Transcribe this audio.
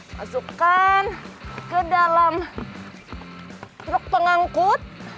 masukkan ke dalam truk pengangkut